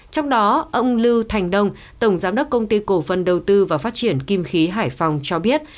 trong đó ông lưu thành đông tổng giám đốc công ty cổ phần đầu tư và phát triển kim khí hải phòng cho biết